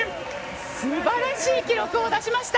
すばらしい記録を出しました。